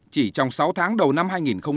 chỉ trong sáu tháng đầu năm hai nghìn một mươi chín